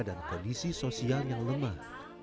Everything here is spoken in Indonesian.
dan kondisi sosial yang lemah